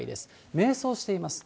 迷走しています。